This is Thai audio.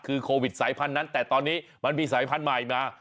คือโควิดสายพันธุ์นั้นแต่ตอนนี้มันมีสายพันธุ์ใหม่มา